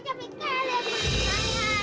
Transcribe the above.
alamak cepat ke jeluan